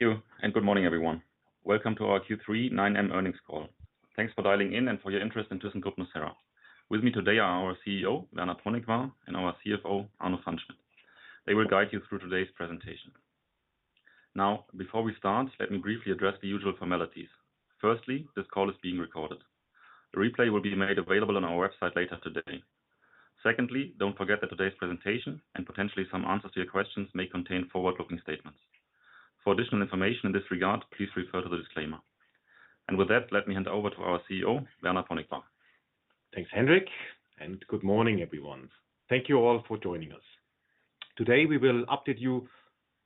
Thank you, and good morning, everyone. Welcome to our Q3 9M earnings call. Thanks for dialing in and for your interest in thyssenkrupp nucera. With me today are our CEO, Werner Ponikwar, and our CFO, Arno Pfannschmidt. They will guide you through today's presentation. Now, before we start, let me briefly address the usual formalities. Firstly, this call is being recorded. A replay will be made available on our website later today. Secondly, don't forget that today's presentation, and potentially some answers to your questions, may contain forward-looking statements. For additional information in this regard, please refer to the disclaimer. With that, let me hand over to our CEO, Werner Ponikwar. Thanks, Hendrik, and good morning, everyone. Thank you all for joining us. Today, we will update you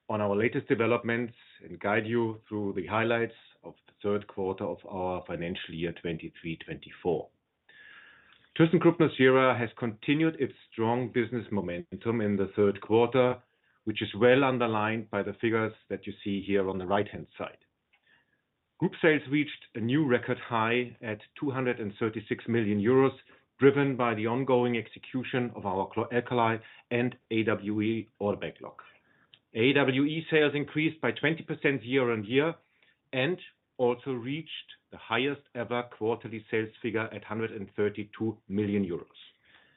on our latest developments and guide you through the highlights of the third quarter of our financial year 2023-2024. thyssenkrupp nucera has continued its strong business momentum in the third quarter, which is well underlined by the figures that you see here on the right-hand side. Group sales reached a new record high at 236 million euros, driven by the ongoing execution of our chlor-alkali and AWE order backlog. AWE sales increased by 20% year-on-year and also reached the highest ever quarterly sales figure at 132 million euros.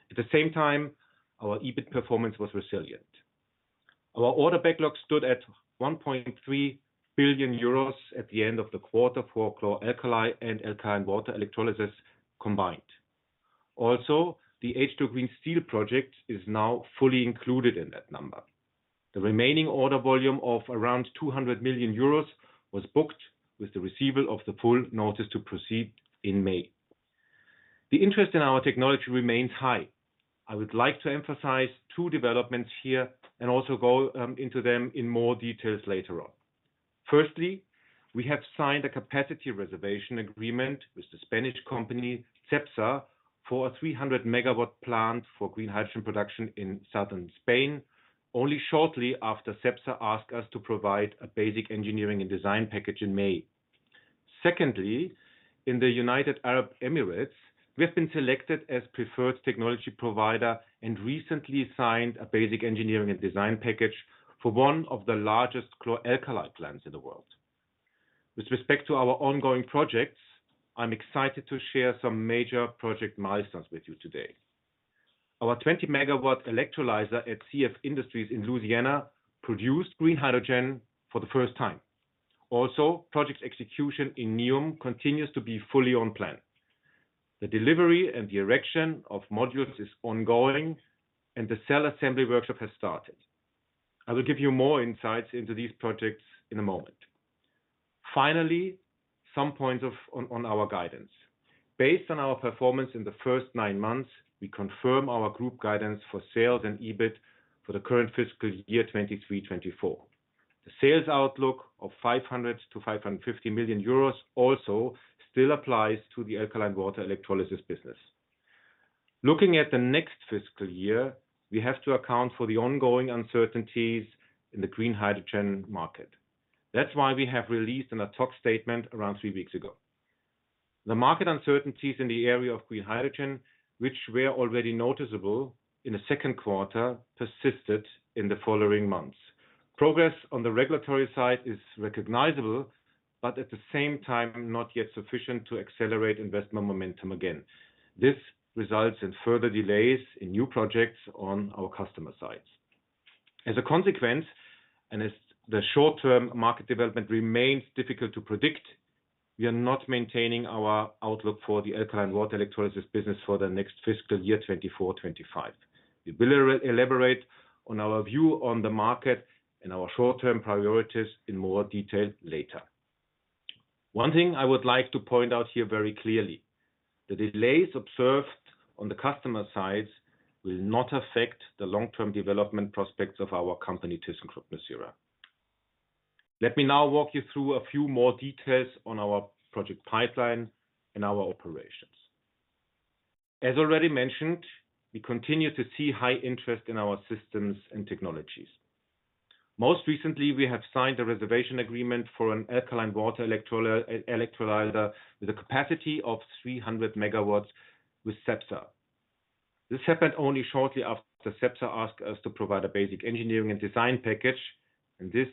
At the same time, our EBIT performance was resilient. Our order backlog stood at 1.3 billion euros at the end of the quarter for chlor-alkali and Alkaline Water Electrolysis combined. Also, the H2 Green Steel project is now fully included in that number. The remaining order volume of around 200 million euros was booked with the receiver of the full notice to proceed in May. The interest in our technology remains high. I would like to emphasize two developments here and also go into them in more details later on. Firstly, we have signed a capacity reservation agreement with the Spanish company, Cepsa, for a 300 MW plant for green hydrogen production in southern Spain, only shortly after Cepsa asked us to provide a basic engineering and design package in May. Secondly, in the United Arab Emirates, we have been selected as preferred technology provider and recently signed a basic engineering and design package for one of the largest chlor-alkali plants in the world. With respect to our ongoing projects, I'm excited to share some major project milestones with you today. Our 20 MW electrolyzer at CF Industries in Louisiana produced green hydrogen for the first time. Also, project execution in NEOM continues to be fully on plan. The delivery and the erection of modules is ongoing, and the cell assembly workshop has started. I will give you more insights into these projects in a moment. Finally, some points on our guidance. Based on our performance in the first nine months, we confirm our group guidance for sales and EBIT for the current fiscal year 2023-2024. The sales outlook of 500 million-550 million euros also still applies to the alkaline water electrolysis business. Looking at the next fiscal year, we have to account for the ongoing uncertainties in the green hydrogen market. That's why we have released an ad hoc statement around three weeks ago. The market uncertainties in the area of green hydrogen, which were already noticeable in the second quarter, persisted in the following months. Progress on the regulatory side is recognizable, but at the same time, not yet sufficient to accelerate investment momentum again. This results in further delays in new projects on our customer sites. As a consequence, and as the short-term market development remains difficult to predict, we are not maintaining our outlook for the alkaline water electrolysis business for the next fiscal year, 2024, 2025. We will elaborate on our view on the market and our short-term priorities in more detail later. One thing I would like to point out here very clearly, the delays observed on the customer sides will not affect the long-term development prospects of our company, thyssenkrupp nucera. Let me now walk you through a few more details on our project pipeline and our operations. As already mentioned, we continue to see high interest in our systems and technologies. Most recently, we have signed a reservation agreement for an alkaline water electrolyzer with a capacity of 300 MW with Cepsa. This happened only shortly after Cepsa asked us to provide a basic engineering and design package, and this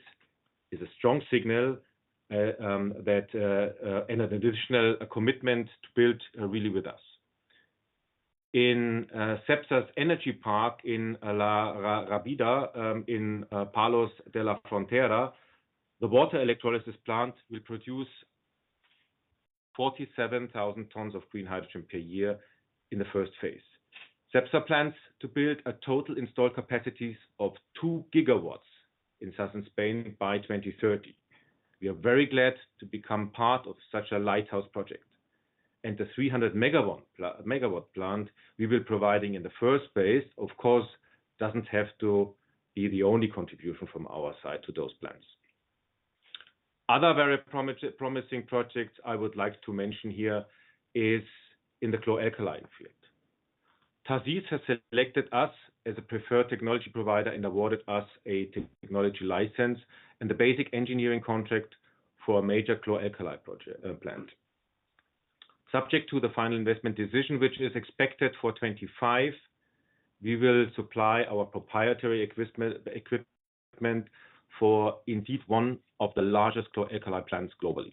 is a strong signal and an additional commitment to build really with us. In Cepsa's energy park in La Rábida, in Palos de la Frontera, the water electrolysis plant will produce 47,000 tons of green hydrogen per year in the first phase. Cepsa plans to build a total installed capacities of 2 GW in southern Spain by 2030. We are very glad to become part of such a lighthouse project, and the 300 MW plant we will be providing in the first phase, of course, doesn't have to be the only contribution from our side to those plants. Other very promising projects I would like to mention here is in the chlor-alkali field. TA'ZIZ has selected us as a preferred technology provider and awarded us a technology license and a basic engineering contract for a major chlor-alkali project, plant. Subject to the final investment decision, which is expected for 2025, we will supply our proprietary equipment for indeed, one of the largest chlor-alkali plants globally.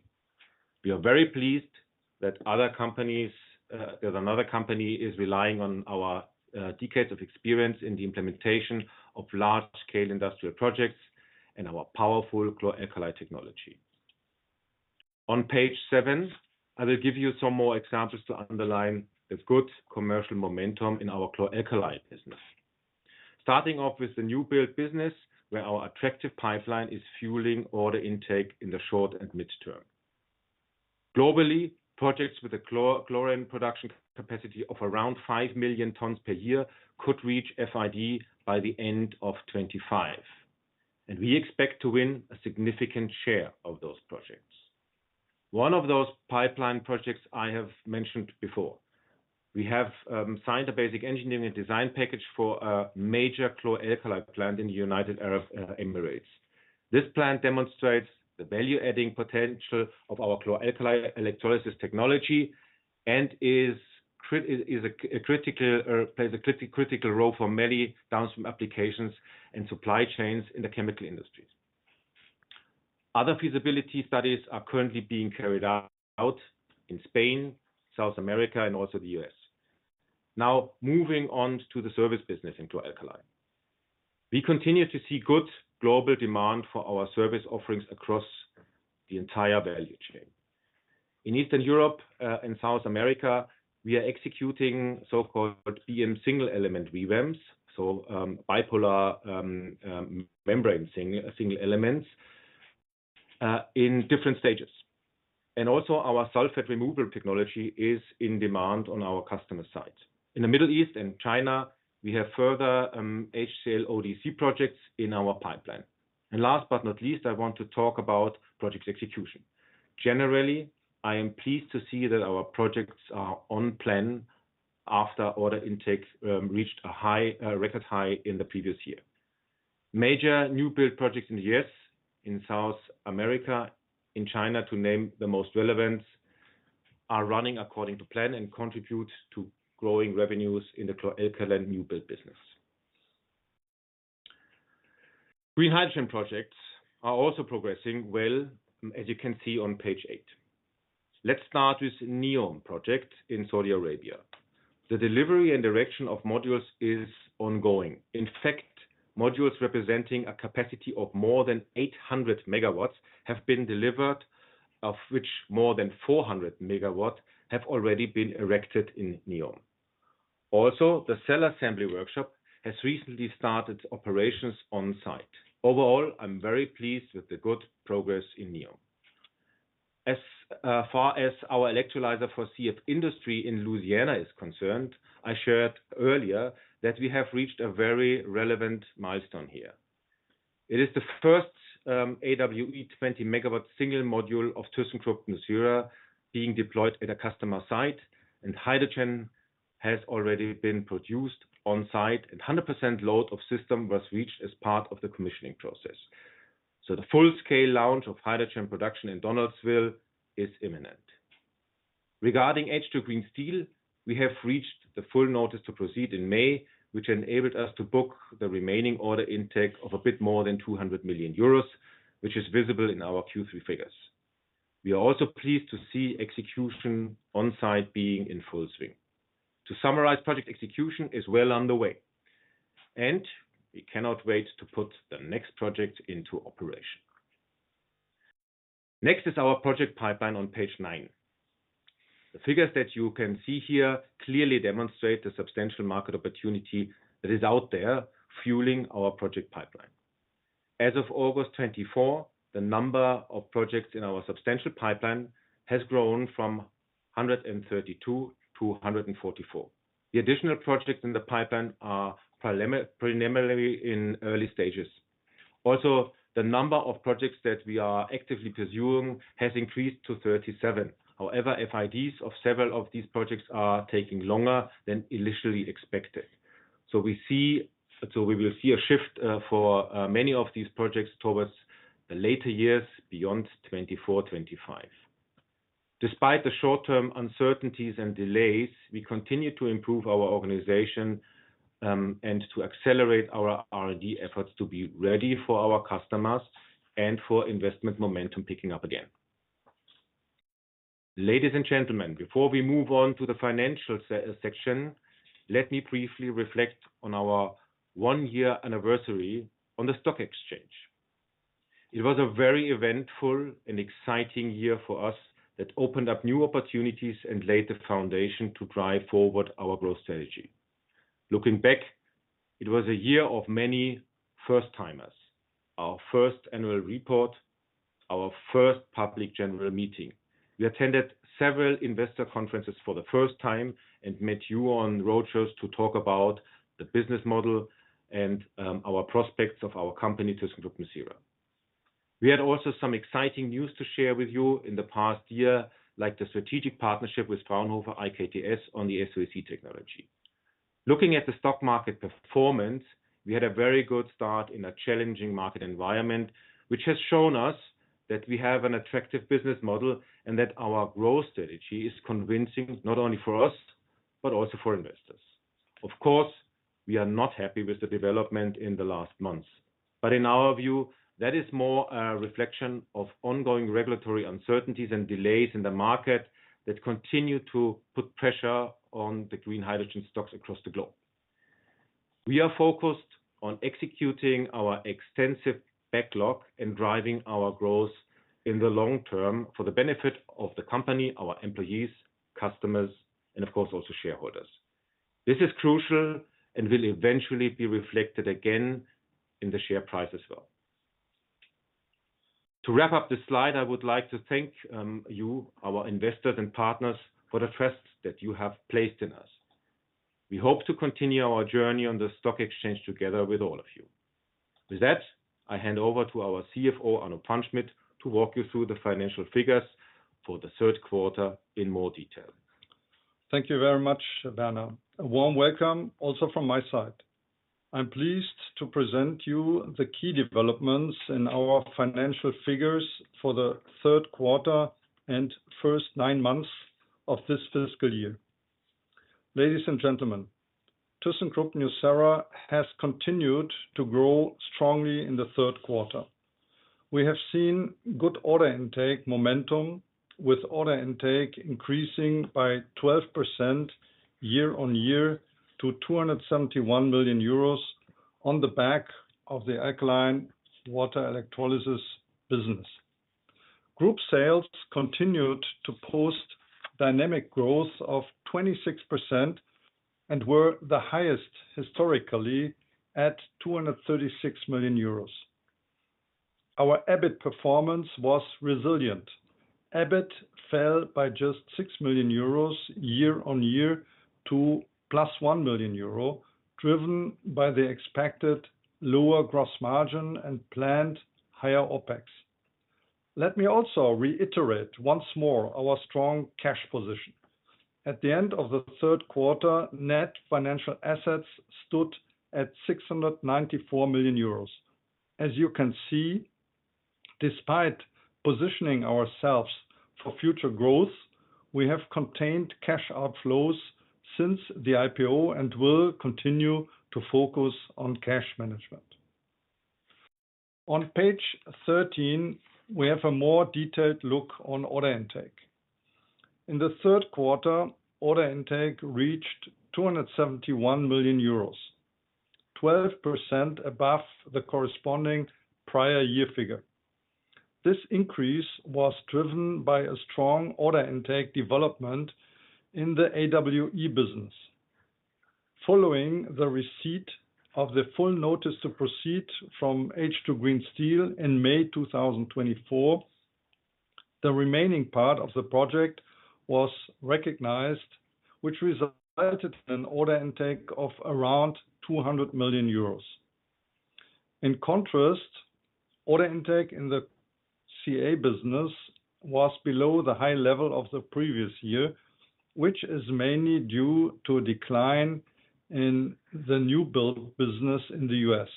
We are very pleased that other companies, that another company is relying on our decades of experience in the implementation of large-scale industrial projects and our powerful chlor-alkali technology. On page seven, I will give you some more examples to underline the good commercial momentum in our chlor-alkali business. Starting off with the new build business, where our attractive pipeline is fueling order intake in the short and midterm. Globally, projects with a chlorine production capacity of around 5 million tons per year could reach FID by the end of 2025, and we expect to win a significant share of those projects. One of those pipeline projects I have mentioned before. We have signed a Basic Engineering and Design Package for a major chlor-alkali plant in the United Arab Emirates. This plant demonstrates the value-adding potential of our chlor-alkali electrolysis technology and plays a critical role for many downstream applications and supply chains in the chemical industries. Other feasibility studies are currently being carried out in Spain, South America, and also the U.S.. Now, moving on to the service business in chlor-alkali. We continue to see good global demand for our service offerings across the entire value chain. In Eastern Europe and South America, we are executing so-called BM single element revamps, bipolar membrane single elements in different stages. And also our sulfate removal technology is in demand on our customer site. In the Middle East and China, we have further HCl-ODC projects in our pipeline. And last but not least, I want to talk about project execution. Generally, I am pleased to see that our projects are on plan after order intakes reached a record high in the previous year. Major new build projects in the U.S., in South America, in China, to name the most relevant, are running according to plan and contribute to growing revenues in the chlor-alkali new build business. Green hydrogen projects are also progressing well, as you can see on page 8. Let's start with NEOM project in Saudi Arabia. The delivery and direction of modules is ongoing. In fact, modules representing a capacity of more than 800 MW have been delivered, of which more than 400 MW have already been erected in NEOM. Also, the cell assembly workshop has recently started operations on site. Overall, I'm very pleased with the good progress in NEOM. As far as our electrolyzer for CF Industries in Louisiana is concerned, I shared earlier that we have reached a very relevant milestone here. It is the first AWE 20 MW single module of thyssenkrupp nucera being deployed at a customer site, and hydrogen has already been produced on site, and 100% load of system was reached as part of the commissioning process. So the full-scale launch of hydrogen production in Donaldsonville is imminent. Regarding H2 Green Steel, we have reached the Full Notice to Proceed in May, which enabled us to book the remaining order intake of a bit more than 200 million euros, which is visible in our Q3 figures. We are also pleased to see execution on site being in full swing. To summarize, project execution is well underway, and we cannot wait to put the next project into operation. Next is our project pipeline on page 9. The figures that you can see here clearly demonstrate the substantial market opportunity that is out there, fueling our project pipeline. As of August 2024, the number of projects in our substantial pipeline has grown from 132 to 144. The additional projects in the pipeline are preliminarily in early stages. Also, the number of projects that we are actively pursuing has increased to 37. However, FIDs of several of these projects are taking longer than initially expected. So we will see a shift for many of these projects towards the later years, beyond 2024, 2025. Despite the short-term uncertainties and delays, we continue to improve our organization, and to accelerate our R&D efforts to be ready for our customers and for investment momentum picking up again. Ladies and gentlemen, before we move on to the financial section, let me briefly reflect on our one-year anniversary on the stock exchange. It was a very eventful and exciting year for us that opened up new opportunities and laid the foundation to drive forward our growth strategy. Looking back, it was a year of many first-timers. Our first annual report, our first public general meeting. We attended several investor conferences for the first time and met you on roadshows to talk about the business model and our prospects of our company, thyssenkrupp nucera. We had also some exciting news to share with you in the past year, like the strategic partnership with Fraunhofer IKTS on the SOEC technology. Looking at the stock market performance, we had a very good start in a challenging market environment, which has shown us that we have an attractive business model and that our growth strategy is convincing, not only for us, but also for investors. Of course, we are not happy with the development in the last months, but in our view, that is more a reflection of ongoing regulatory uncertainties and delays in the market that continue to put pressure on the green hydrogen stocks across the globe. We are focused on executing our extensive backlog and driving our growth in the long term for the benefit of the company, our employees, customers, and of course, also shareholders. This is crucial and will eventually be reflected again in the share price as well. To wrap up this slide, I would like to thank you, our investors and partners, for the trust that you have placed in us. We hope to continue our journey on the stock exchange together with all of you. With that, I hand over to our CFO, Arno Pfannschmidt, to walk you through the financial figures for the third quarter in more detail. Thank you very much, Werner. A warm welcome also from my side. I'm pleased to present you the key developments in our financial figures for the third quarter and first nine months of this fiscal year. Ladies and gentlemen, thyssenkrupp nucera has continued to grow strongly in the third quarter. We have seen good order intake momentum, with order intake increasing by 12% year-on-year to 271 million euros, on the back of the alkaline water electrolysis business. Group sales continued to post dynamic growth of 26% and were the highest historically at 236 million euros. Our EBIT performance was resilient. EBIT fell by just 6 million euros year-on-year to +1 million euro, driven by the expected lower gross margin and planned higher OpEx. Let me also reiterate once more our strong cash position. At the end of the third quarter, net financial assets stood at 694 million euros. As you can see, despite positioning ourselves for future growth, we have contained cash outflows since the IPO and will continue to focus on cash management. On page 13, we have a more detailed look on order intake. In the third quarter, order intake reached 271 million euros, 12% above the corresponding prior year figure. This increase was driven by a strong order intake development in the AWE business. Following the receipt of the full notice to proceed from H2 Green Steel in May 2024, the remaining part of the project was recognized, which resulted in an order intake of around 200 million euros. In contrast, order intake in the CA business was below the high level of the previous year, which is mainly due to a decline in the new build business in the U.S.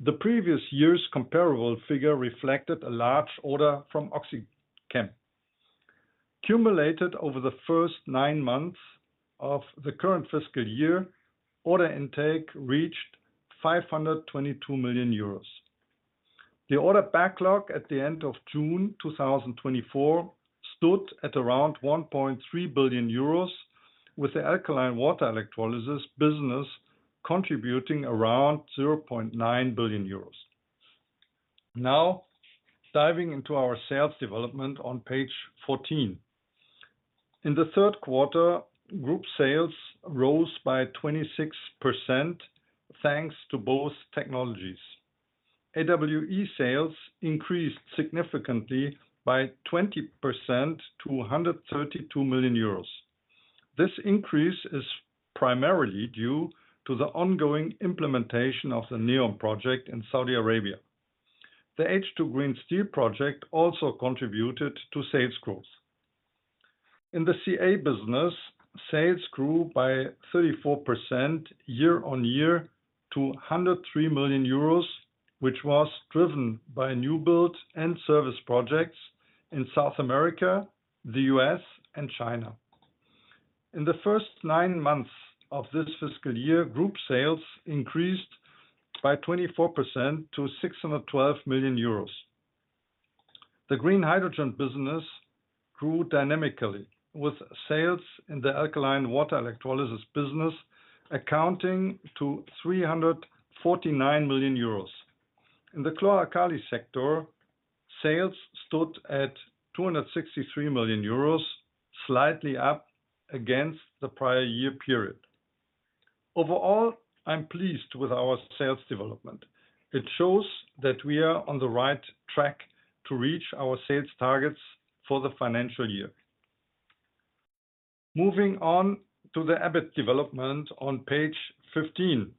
The previous year's comparable figure reflected a large order from OxyChem. Cumulated over the first nine months of the current fiscal year, order intake reached 522 million euros. The order backlog at the end of June 2024 stood at around 1.3 billion euros, with the alkaline water electrolysis business contributing around 0.9 billion euros. Now, diving into our sales development on page 14. In the third quarter, group sales rose by 26%, thanks to both technologies. AWE sales increased significantly by 20% to 132 million euros. This increase is primarily due to the ongoing implementation of the NEOM project in Saudi Arabia. The H2 Green Steel project also contributed to sales growth. In the CA business, sales grew by 34% year-on-year to 103 million euros, which was driven by new build and service projects in South America, the U.S., and China. In the first nine months of this fiscal year, group sales increased by 24% to 612 million euros. The green hydrogen business grew dynamically, with sales in the alkaline water electrolysis business accounting to 349 million euros. In the chlor-alkali sector, sales stood at 263 million euros, slightly up against the prior year period. Overall, I'm pleased with our sales development. It shows that we are on the right track to reach our sales targets for the financial year. Moving on to the EBIT development on page 15.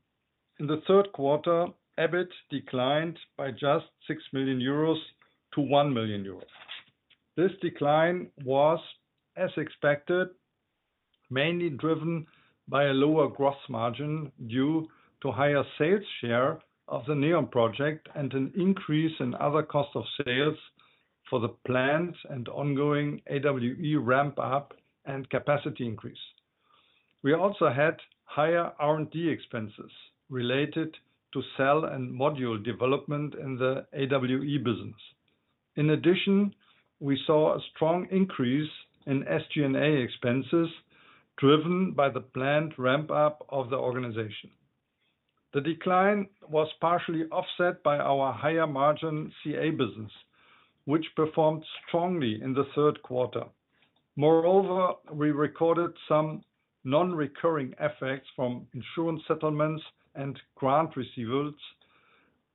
In the third quarter, EBIT declined by just 6 million euros to 1 million euros. This decline was, as expected, mainly driven by a lower gross margin, due to higher sales share of the NEOM project and an increase in other cost of sales for the planned and ongoing AWE ramp up and capacity increase. We also had higher R&D expenses related to cell and module development in the AWE business. In addition, we saw a strong increase in SG&A expenses, driven by the planned ramp up of the organization. The decline was partially offset by our higher margin CA business, which performed strongly in the third quarter. Moreover, we recorded some non-recurring effects from insurance settlements and grant receivables,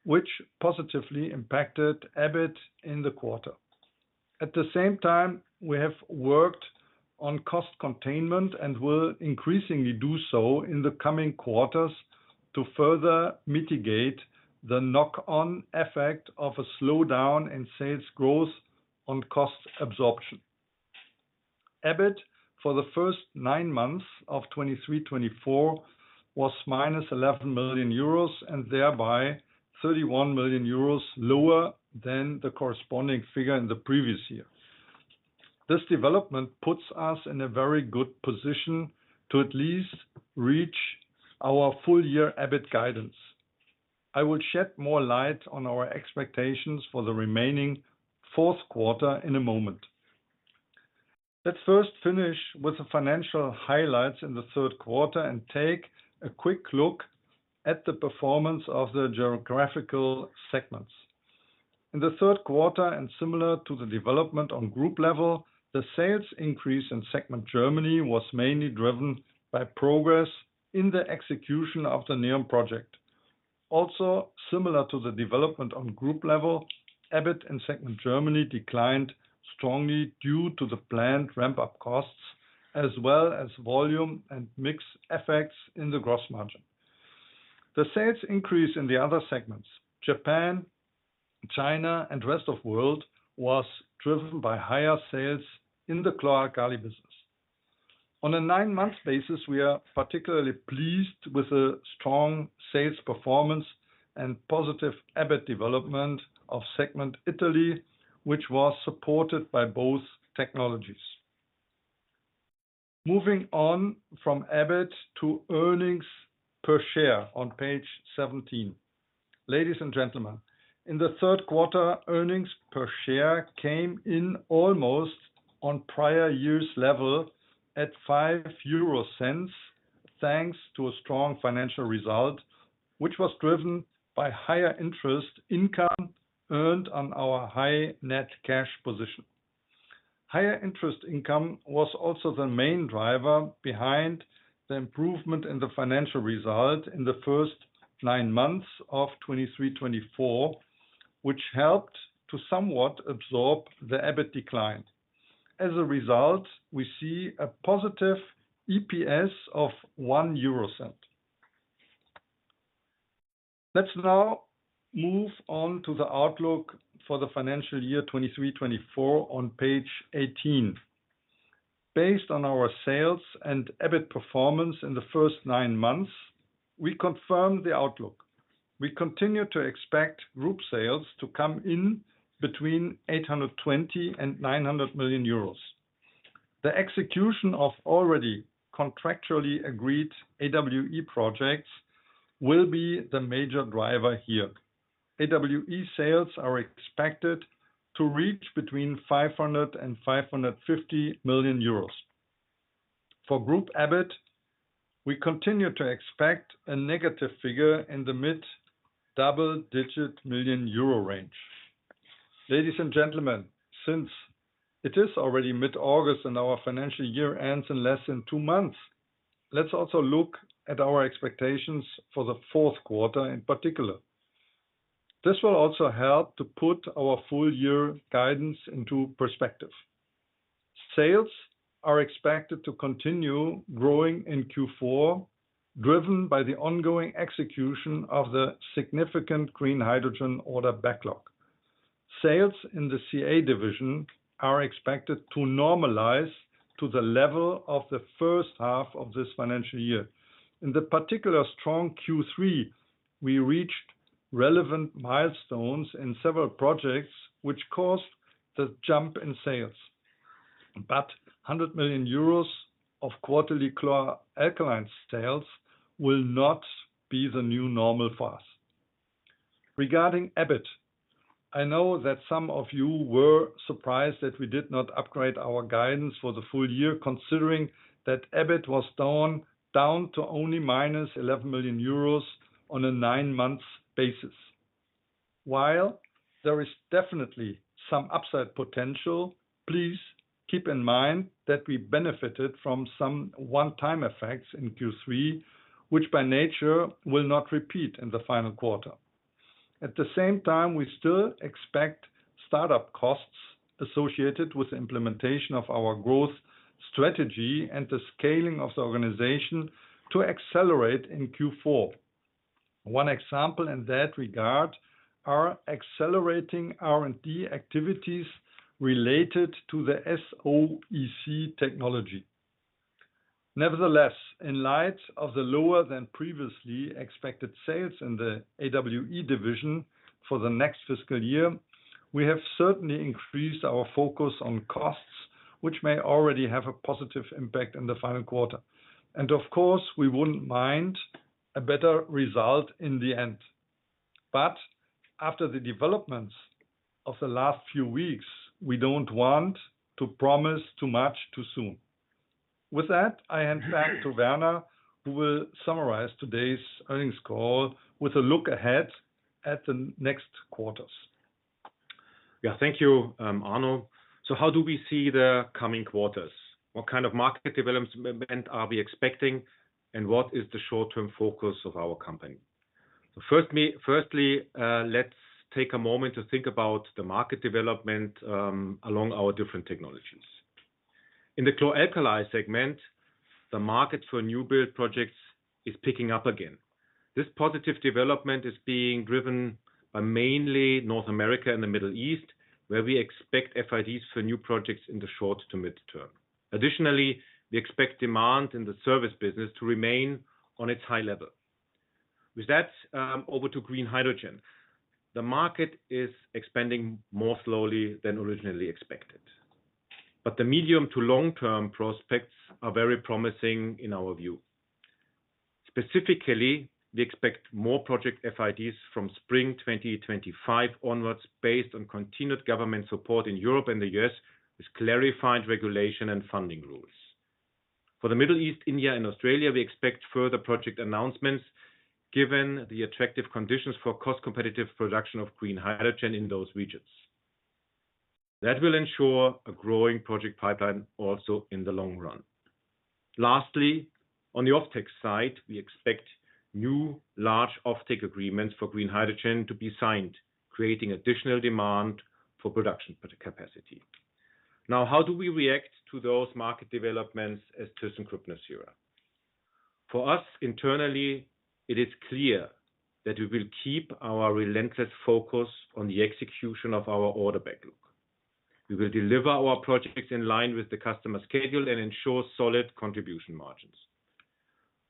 which positively impacted EBIT in the quarter. At the same time, we have worked on cost containment and will increasingly do so in the coming quarters to further mitigate the knock-on effect of a slowdown in sales growth on cost absorption. EBIT for the first 9 months of 2023-2024 was -11 million euros, and thereby 31 million euros lower than the corresponding figure in the previous year. This development puts us in a very good position to at least reach our full year EBIT guidance. I will shed more light on our expectations for the remaining fourth quarter in a moment. Let's first finish with the financial highlights in the third quarter, and take a quick look at the performance of the geographical segments. In the third quarter, and similar to the development on group level, the sales increase in segment Germany was mainly driven by progress in the execution of the NEOM project. Also, similar to the development on group level, EBIT in segment Germany declined strongly due to the planned ramp-up costs, as well as volume and mix effects in the gross margin. The sales increase in the other segments, Japan, China, and Rest of World, was driven by higher sales in the chlor-alkali business. On a nine-month basis, we are particularly pleased with the strong sales performance and positive EBIT development of segment Italy, which was supported by both technologies. Moving on from EBIT to earnings per share on page 17. Ladies and gentlemen, in the third quarter, earnings per share came in almost on prior year's level at 0.05, thanks to a strong financial result, which was driven by higher interest income earned on our high net cash position. Higher interest income was also the main driver behind the improvement in the financial result in the first nine months of 2023-2024, which helped to somewhat absorb the EBIT decline. As a result, we see a positive EPS of EUR 0.01. Let's now move on to the outlook for the financial year 2023-2024 on page 18. Based on our sales and EBIT performance in the first nine months, we confirm the outlook. We continue to expect group sales to come in between 820 million and 900 million euros. The execution of already contractually agreed AWE projects will be the major driver here. AWE sales are expected to reach between 500 million euros and 550 million euros. For Group EBIT, we continue to expect a negative figure in the mid-double-digit million EUR range. Ladies and gentlemen, since it is already mid-August and our financial year ends in less than two months, let's also look at our expectations for the fourth quarter in particular. This will also help to put our full year guidance into perspective. Sales are expected to continue growing in Q4, driven by the ongoing execution of the significant green hydrogen order backlog. Sales in the CA division are expected to normalize to the level of the first half of this financial year. In the particularly strong Q3, we reached relevant milestones in several projects, which caused the jump in sales. But 100 million euros of quarterly chlor-alkali sales will not be the new normal for us. Regarding EBIT, I know that some of you were surprised that we did not upgrade our guidance for the full year, considering that EBIT was down, down to only -11 million euros on a nine-months basis. While there is definitely some upside potential, please keep in mind that we benefited from some one-time effects in Q3, which by nature, will not repeat in the final quarter. At the same time, we still expect start-up costs associated with the implementation of our growth strategy and the scaling of the organization to accelerate in Q4. One example in that regard are accelerating R&D activities related to the SOEC technology. Nevertheless, in light of the lower than previously expected sales in the AWE division for the next fiscal year, we have certainly increased our focus on costs, which may already have a positive impact in the final quarter. Of course, we wouldn't mind a better result in the end. But after the developments of the last few weeks, we don't want to promise too much, too soon. With that, I hand back to Werner, who will summarize today's earnings call with a look ahead at the next quarters. Yeah, thank you, Arno. So how do we see the coming quarters? What kind of market development are we expecting, and what is the short-term focus of our company? So firstly, let's take a moment to think about the market development along our different technologies. In the chlor-alkali segment, the market for new build projects is picking up again. This positive development is being driven by mainly North America and the Middle East, where we expect FIDs for new projects in the short to mid-term. Additionally, we expect demand in the service business to remain on its high level. With that, over to green hydrogen. The market is expanding more slowly than originally expected, but the medium to long-term prospects are very promising in our view. Specifically, we expect more project FIDs from spring 2025 onwards, based on continued government support in Europe and the U.S., with clarified regulation and funding rules. For the Middle East, India, and Australia, we expect further project announcements, given the attractive conditions for cost-competitive production of green hydrogen in those regions. That will ensure a growing project pipeline also in the long run. Lastly, on the offtake side, we expect new large offtake agreements for green hydrogen to be signed, creating additional demand for production capacity. Now, how do we react to those market developments as thyssenkrupp nucera? For us, internally, it is clear that we will keep our relentless focus on the execution of our order backlog. We will deliver our projects in line with the customer schedule and ensure solid contribution margins.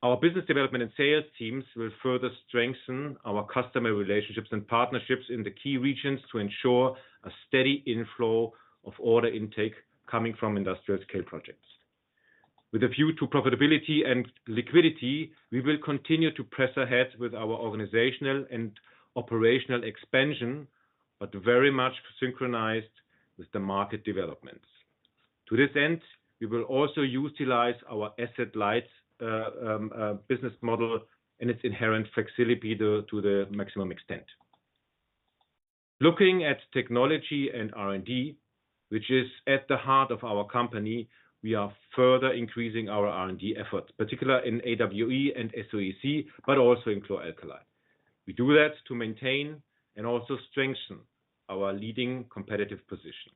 Our business development and sales teams will further strengthen our customer relationships and partnerships in the key regions to ensure a steady inflow of order intake coming from industrial scale projects. With a view to profitability and liquidity, we will continue to press ahead with our organizational and operational expansion, but very much synchronized with the market developments. To this end, we will also utilize our asset-light business model and its inherent flexibility to the maximum extent. Looking at technology and R&D, which is at the heart of our company, we are further increasing our R&D efforts, particularly in AWE and SOEC, but also in chlor-alkali. We do that to maintain and also strengthen our leading competitive position.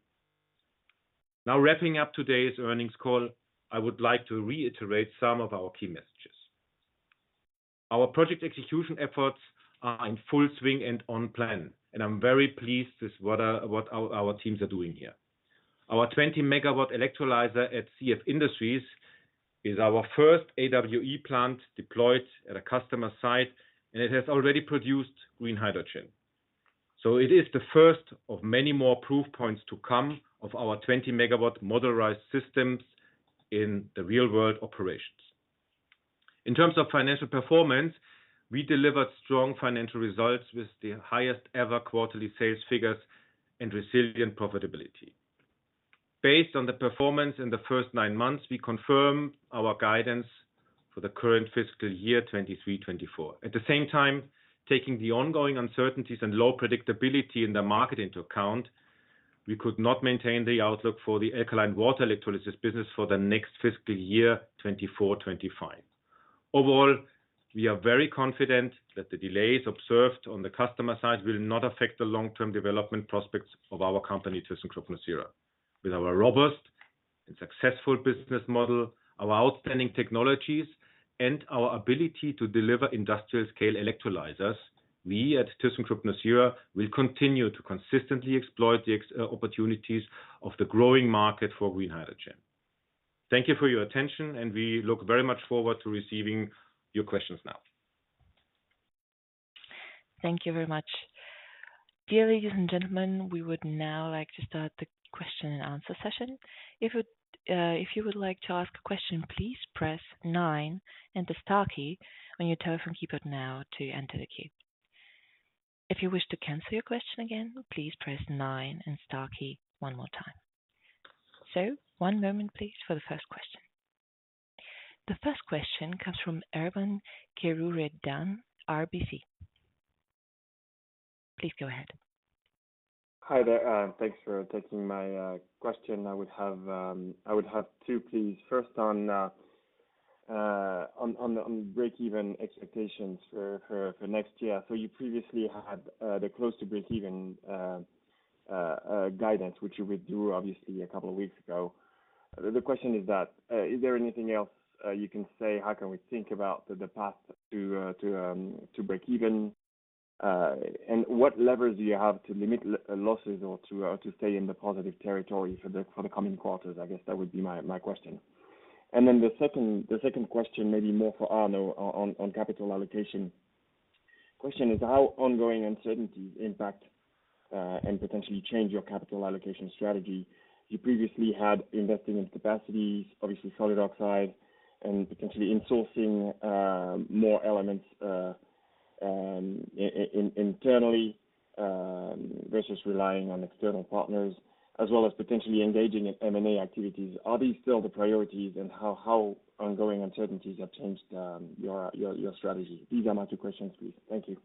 Now, wrapping up today's earnings call, I would like to reiterate some of our key messages. Our project execution efforts are in full swing and on plan, and I'm very pleased with what our teams are doing here. Our 20 MW electrolyzer at CF Industries is our first AWE plant deployed at a customer site, and it has already produced green hydrogen. So it is the first of many more proof points to come of our 20 MW modularized systems in the real world operations. In terms of financial performance, we delivered strong financial results with the highest ever quarterly sales figures and resilient profitability. Based on the performance in the first nine months, we confirm our guidance for the current fiscal year, 2023-2024. At the same time, taking the ongoing uncertainties and low predictability in the market into account, we could not maintain the outlook for the alkaline water electrolysis business for the next fiscal year, 2024-2025. Overall, we are very confident that the delays observed on the customer side will not affect the long-term development prospects of our company, thyssenkrupp nucera. With our robust and successful business model, our outstanding technologies, and our ability to deliver industrial scale electrolyzers, we at thyssenkrupp nucera will continue to consistently exploit the existing opportunities of the growing market for green hydrogen. Thank you for your attention, and we look very much forward to receiving your questions now. Thank you very much. Dear ladies and gentlemen, we would now like to start the question-and-answer session. If you would like to ask a question, please press nine and the star key on your telephone keypad now to enter the queue. If you wish to cancel your question again, please press nine and star key one more time. So one moment, please, for the first question. The first question comes from Erwan Kerouredan, RBC. Please go ahead. Hi there, thanks for taking my question. I would have two, please. First on the break even expectations for next year. So you previously had the close to break even guidance, which you would do obviously a couple of weeks ago. The question is that, is there anything else you can say? How can we think about the path to break even? And what levers do you have to limit losses or to stay in the positive territory for the coming quarters? I guess that would be my question. And then the second question, maybe more for Arno on capital allocation. Question is how ongoing uncertainties impact and potentially change your capital allocation strategy. You previously had invested in capacities, obviously solid oxide, and potentially insourcing more elements in internally versus relying on external partners, as well as potentially engaging in M&A activities. Are these still the priorities, and how ongoing uncertainties have changed your strategy? These are my two questions, please. Thank you.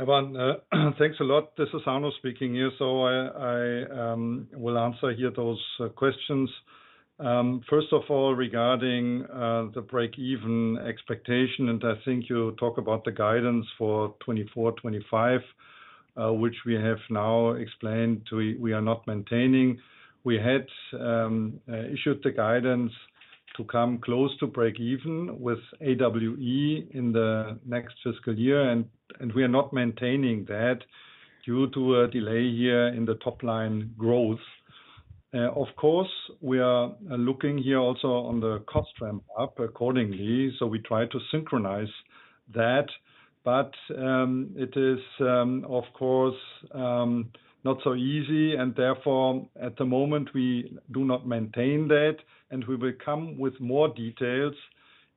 Erwan, thanks a lot. This is Arno speaking here, so I will answer here those questions. First of all, regarding the break-even expectation, and I think you talk about the guidance for 2024, 2025, which we have now explained to you, we are not maintaining. We had issued the guidance to come close to break even with AWE in the next fiscal year, and we are not maintaining that due to a delay here in the top-line growth. Of course, we are looking here also on the cost ramp up accordingly, so we try to synchronize that. But it is, of course, not so easy, and therefore, at the moment, we do not maintain that, and we will come with more details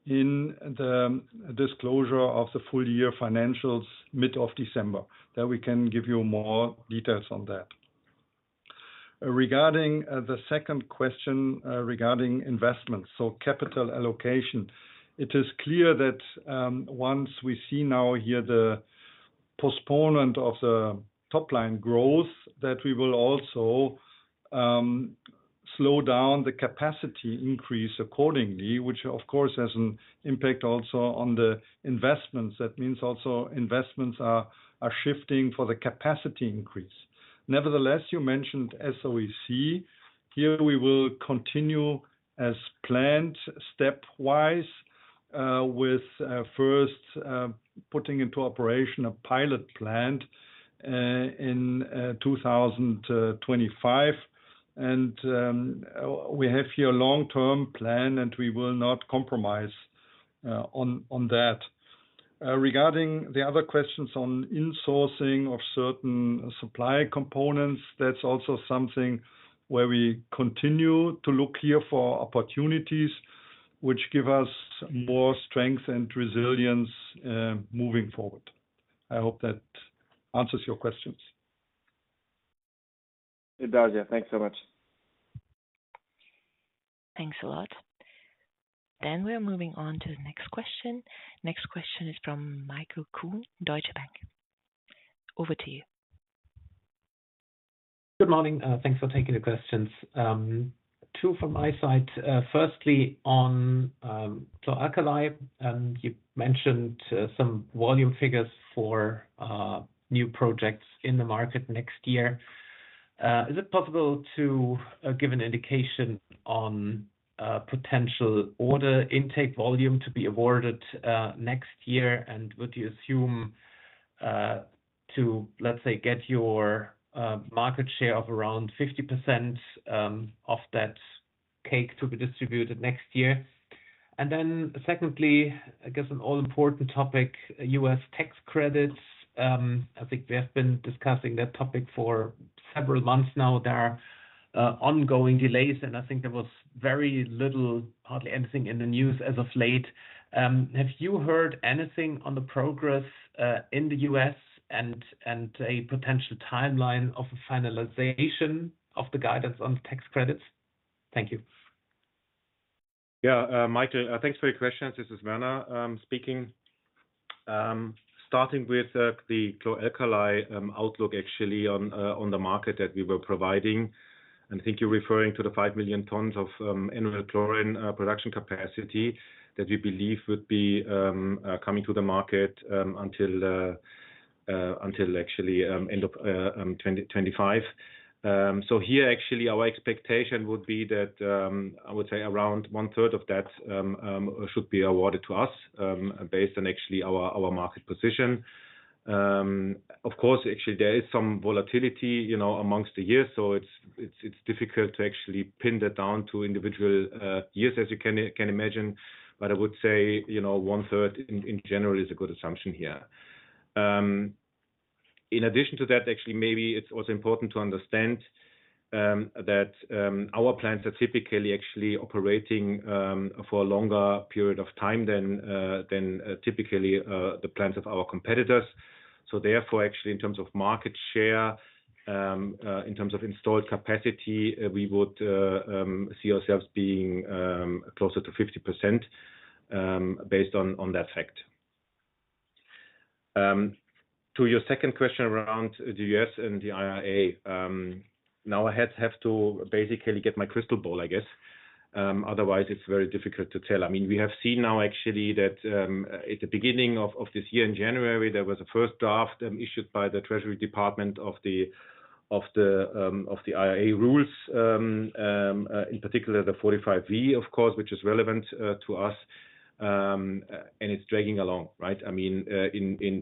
in the disclosure of the full year financials, mid of December. Then we can give you more details on that. Regarding the second question regarding investments, so capital allocation. It is clear that once we see now here the postponement of the top-line growth, that we will also slow down the capacity increase accordingly, which of course has an impact also on the investments. That means also investments are shifting for the capacity increase. Nevertheless, you mentioned SOEC. Here, we will continue as planned, stepwise, with first putting into operation a pilot plant in 2025. We have here a long-term plan, and we will not compromise on that. Regarding the other questions on insourcing of certain supplier components, that's also something where we continue to look here for opportunities which give us more strength and resilience moving forward. I hope that answers your questions. It does, yeah. Thanks so much. Thanks a lot. We are moving on to the next question. Next question is from Michael Kuhn, Deutsche Bank. Over to you. Good morning. Thanks for taking the questions. Two from my side. Firstly, on chlor-alkali, you mentioned some volume figures for new projects in the market next year. Is it possible to give an indication on potential order intake volume to be awarded next year? And would you assume to, let's say, get your market share of around 50% of that cake to be distributed next year? And then secondly, I guess, an all-important topic, U.S. tax credits. I think we have been discussing that topic for several months now. There are ongoing delays, and I think there was very little, hardly anything in the news as of late. Have you heard anything on the progress in the U.S. and a potential timeline of the finalization of the guidance on the tax credits? Thank you. Yeah, Michael, thanks for your questions. This is Werner speaking. Starting with the chlor-alkali outlook, actually, on the market that we were providing, and I think you're referring to the 5 million tons of annual chlorine production capacity that we believe would be coming to the market until actually end of 2025. So here, actually, our expectation would be that I would say around one-third of that should be awarded to us based on actually our market position. Of course, actually, there is some volatility, you know, amongst the years, so it's difficult to actually pin that down to individual years, as you can imagine. But I would say, you know, 1/3, in, in general, is a good assumption here. In addition to that, actually, maybe it's also important to understand, that, our plants are typically actually operating, for a longer period of time than, than, typically, the plants of our competitors. So therefore, actually, in terms of market share, in terms of installed capacity, we would, see ourselves being, closer to 50%, based on, on that fact. To your second question around the U.S. and the IRA, now I have to basically get my crystal ball, I guess... otherwise it's very difficult to tell. I mean, we have seen now actually, that, at the beginning of this year, in January, there was a first draft issued by the Treasury Department of the IRA rules. In particular, the 45V, of course, which is relevant to us. And it's dragging along, right? I mean,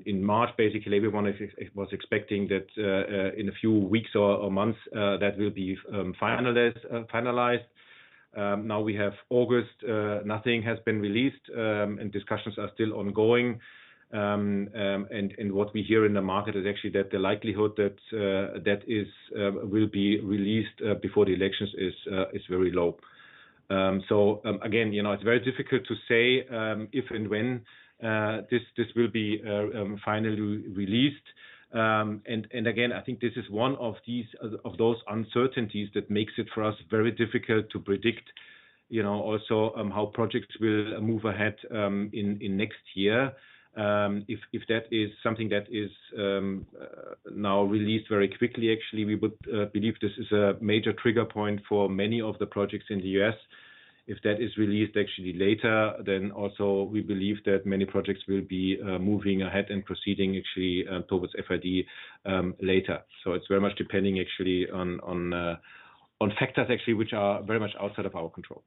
in March, basically, everyone was expecting that, in a few weeks or months, that will be finalized. Now we have August, nothing has been released, and discussions are still ongoing. And what we hear in the market is actually that the likelihood that it will be released before the elections is very low. So, again, you know, it's very difficult to say if and when this will be finally released. And, again, I think this is one of these, of those uncertainties that makes it, for us, very difficult to predict, you know, also, how projects will move ahead, in next year. If that is something that is now released very quickly, actually, we would believe this is a major trigger point for many of the projects in the U.S. If that is released actually later, then also we believe that many projects will be moving ahead and proceeding, actually, towards FID, later. So it's very much depending actually on, on factors actually, which are very much outside of our control.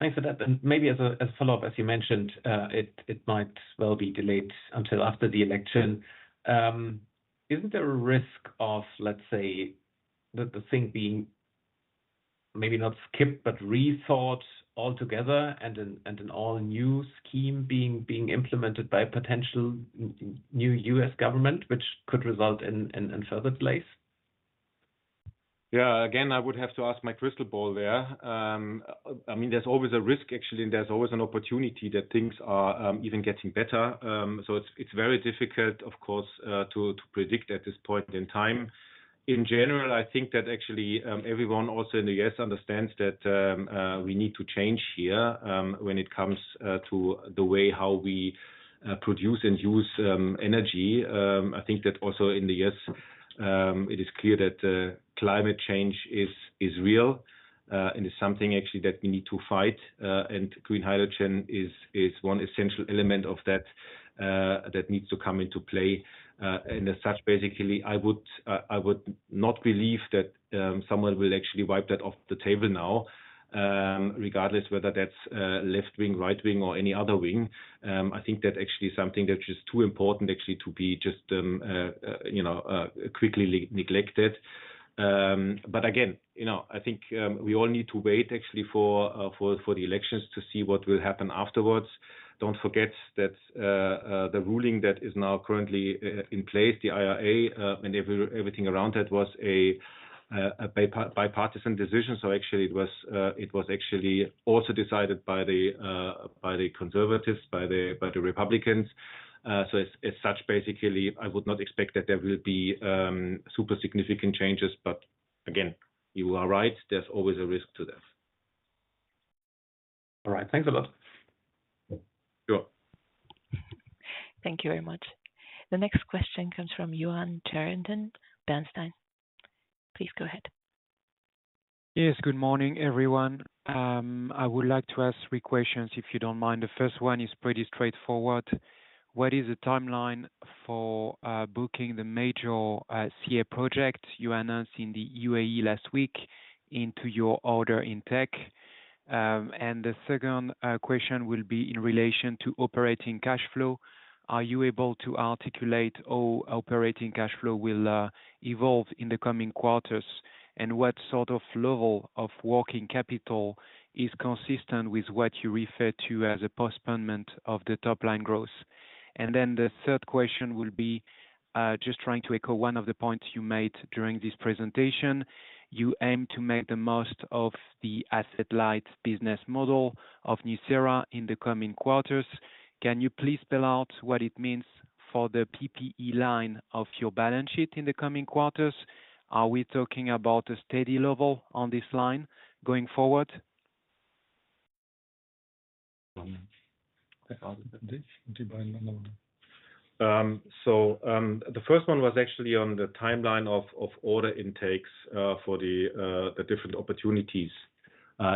Thanks for that. And maybe as a follow-up, as you mentioned, it might well be delayed until after the election. Isn't there a risk of, let's say, the thing being maybe not skipped, but rethought altogether, and an all-new scheme being implemented by a potential new U.S. government, which could result in further delays? Yeah, again, I would have to ask my crystal ball there. I mean, there's always a risk, actually, and there's always an opportunity that things are even getting better. So it's very difficult, of course, to predict at this point in time. In general, I think that actually everyone also in the U.S. understands that we need to change here when it comes to the way how we produce and use energy. I think that also in the U.S. it is clear that climate change is real and is something actually that we need to fight and green hydrogen is one essential element of that that needs to come into play. And as such, basically, I would, I would not believe that someone will actually wipe that off the table now, regardless whether that's left wing, right wing, or any other wing. I think that's actually something that is too important, actually, to be just, you know, quickly neglected. But again, you know, I think we all need to wait actually for the elections to see what will happen afterwards. Don't forget that the ruling that is now currently in place, the IRA, and everything around it, was a bipartisan decision. So actually it was, it was actually also decided by the conservatives, by the Republicans. So, as such, basically, I would not expect that there will be super significant changes. But again, you are right, there's always a risk to that. All right. Thanks a lot. Sure. Thank you very much. The next question comes from Yoann Charenton, Bernstein. Please go ahead. Yes, good morning, everyone. I would like to ask three questions, if you don't mind. The first one is pretty straightforward: What is the timeline for booking the major CA project you announced in the UAE last week into your order intake? And the second question will be in relation to operating cash flow. Are you able to articulate how operating cash flow will evolve in the coming quarters, and what sort of level of working capital is consistent with what you refer to as a postponement of the top line growth? And then the third question will be just trying to echo one of the points you made during this presentation. You aim to make the most of the asset light business model of Nucera in the coming quarters. Can you please spell out what it means for the PPE line of your balance sheet in the coming quarters? Are we talking about a steady level on this line going forward? So, the first one was actually on the timeline of order intakes for the different opportunities,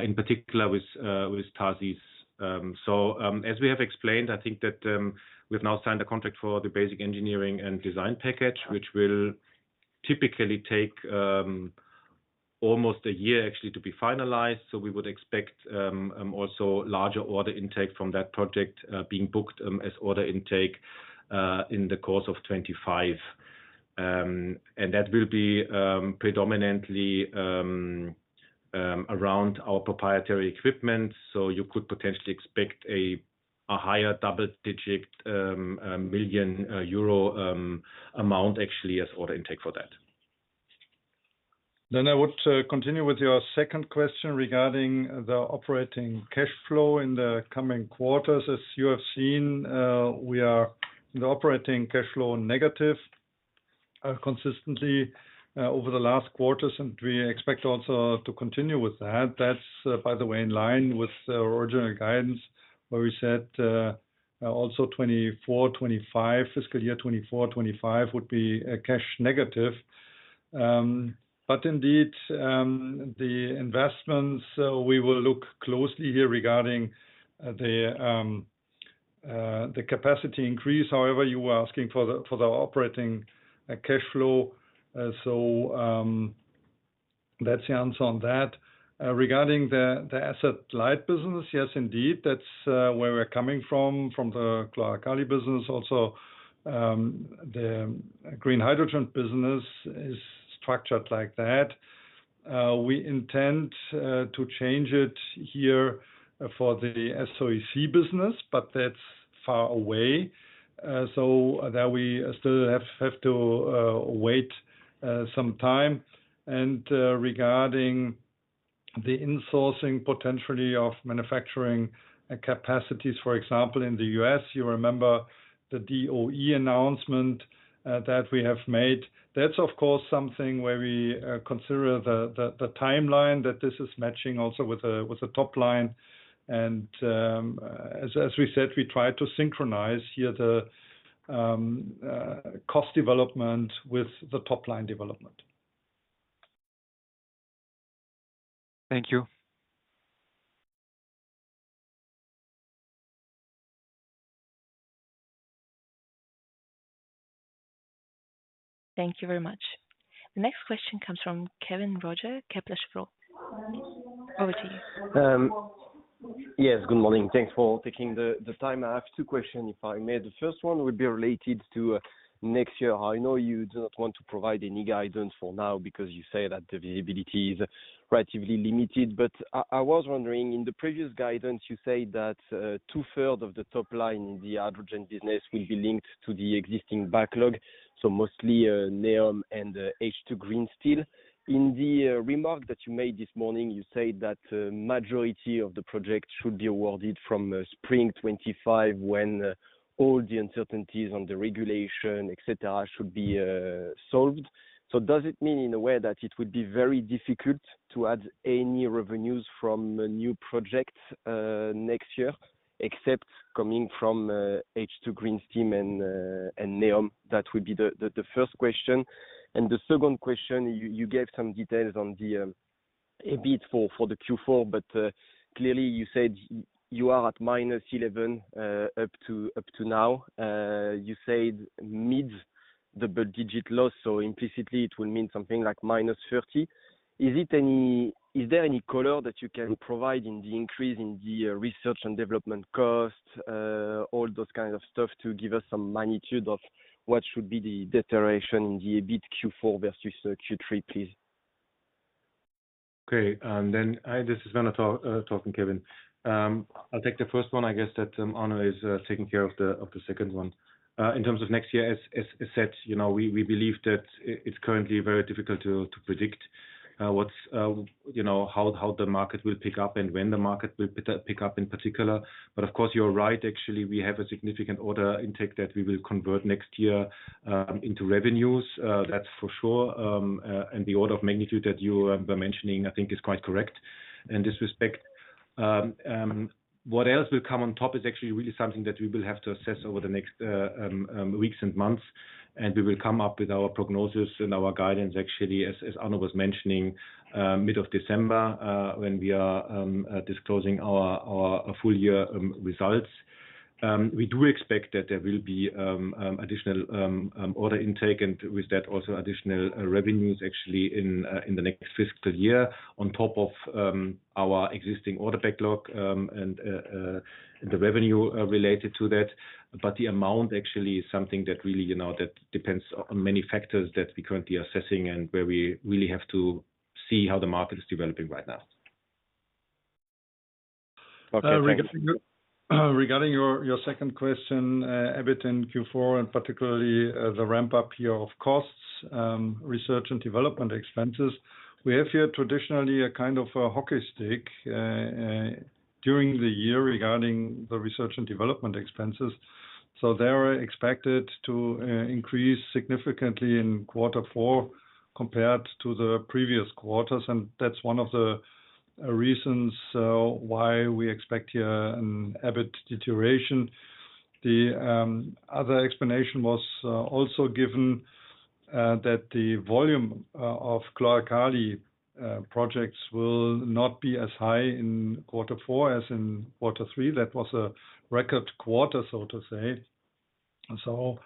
in particular with TA'ZIZ. So, as we have explained, I think that, we've now signed a contract for the Basic Engineering and Design Package, which will typically take almost a year, actually, to be finalized. So we would expect also larger order intake from that project being booked as order intake in the course of 2025. And that will be predominantly around our proprietary equipment. So you could potentially expect a higher double-digit 1 million euro amount, actually, as order intake for that. Then I would continue with your second question regarding the operating cash flow in the coming quarters. As you have seen, we are in operating cash flow negative, consistently, over the last quarters, and we expect also to continue with that. That's, by the way, in line with our original guidance.... where we said, also 2024, 2025, fiscal year 2024, 2025 would be cash negative. But indeed, the investments we will look closely here regarding the capacity increase. However, you were asking for the, for the operating cash flow. So, that's the answer on that. Regarding the asset light business, yes, indeed, that's where we're coming from, from the chlor-alkali business. Also, the green hydrogen business is structured like that. We intend to change it here for the SOEC business, but that's far away, so that we still have to wait some time. And, regarding the insourcing potentially of manufacturing capacities, for example, in the U.S., you remember the DOE announcement that we have made. That's, of course, something where we consider the timeline that this is matching also with the top line. And, as we said, we try to synchronize here the cost development with the top line development. Thank you. Thank you very much. The next question comes from Kévin Roger, Kepler Cheuvreux. Over to you. Yes, good morning. Thanks for taking the time. I have two questions, if I may. The first one would be related to next year. I know you do not want to provide any guidance for now because you say that the visibility is relatively limited. But I was wondering, in the previous guidance, you said that two-thirds of the top line in the hydrogen business will be linked to the existing backlog, so mostly NEOM and H2 Green Steel. In the remark that you made this morning, you said that the majority of the projects should be awarded from spring 2025, when all the uncertainties on the regulation, et cetera, should be solved. So does it mean in a way that it would be very difficult to add any revenues from a new project next year, except coming from H2 Green Steel and NEOM? That would be the first question. And the second question, you gave some details on the EBIT for the Q4, but clearly you said you are at -11 up to now. You said mid-double-digit loss, so implicitly it will mean something like -30. Is there any color that you can provide in the increase in the research and development costs, all those kinds of stuff, to give us some magnitude of what should be the deterioration in the EBIT Q4 versus the Q3, please? Okay, then this is Werner talking, Kévin. I'll take the first one. I guess that Arno is taking care of the second one. In terms of next year, as said, you know, we believe that it's currently very difficult to predict what's, you know, how the market will pick up and when the market will pick up in particular. But of course, you're right, actually, we have a significant order intake that we will convert next year into revenues, that's for sure. And the order of magnitude that you were mentioning, I think is quite correct. In this respect, what else will come on top is actually really something that we will have to assess over the next weeks and months, and we will come up with our prognosis and our guidance, actually, as Arno was mentioning, mid-December, when we are disclosing our full year results. We do expect that there will be additional order intake, and with that, also additional revenues, actually, in the next fiscal year on top of our existing order backlog, and the revenue related to that. But the amount actually is something that really, you know, that depends on many factors that we're currently assessing and where we really have to see how the market is developing right now. Okay, thanks. Regarding your second question, EBIT in Q4, and particularly the ramp up here of costs, research and development expenses. We have here traditionally a kind of a hockey stick during the year regarding the research and development expenses. So they are expected to increase significantly in quarter four compared to the previous quarters, and that's one of the reasons why we expect here an EBIT deterioration. The other explanation was also given that the volume of chloralkali projects will not be as high in quarter four as in quarter three. That was a record quarter, so to say. So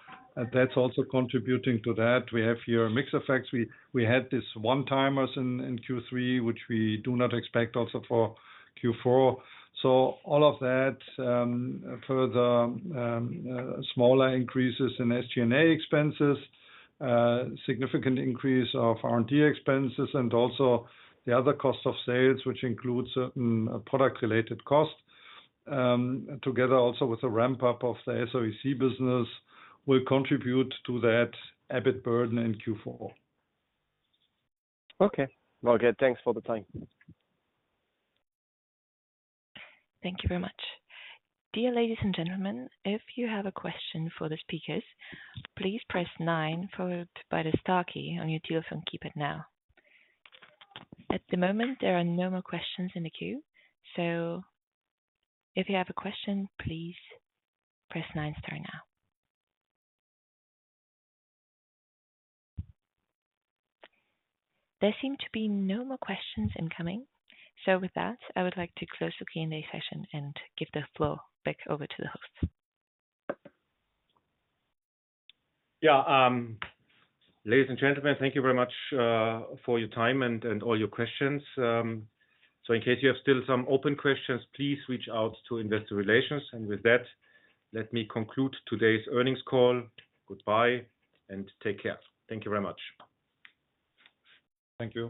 that's also contributing to that. We have here mix effects. We had this one-timers in Q3, which we do not expect also for Q4. So all of that, further, smaller increases in SG&A expenses, significant increase of R&D expenses, and also the other cost of sales, which includes certain, product-related costs, together also with the ramp-up of the SOEC business, will contribute to that EBIT burden in Q4. Okay. Well, good. Thanks for the time. Thank you very much. Dear ladies and gentlemen, if you have a question for the speakers, please press nine followed by the star key on your telephone keypad now. At the moment, there are no more questions in the queue, so if you have a question, please press nine star now. There seem to be no more questions incoming. So with that, I would like to close the Q&A session and give the floor back over to the host. Yeah, ladies and gentlemen, thank you very much for your time and all your questions. In case you have still some open questions, please reach out to investor relations. With that, let me conclude today's earnings call. Goodbye and take care. Thank you very much. Thank you.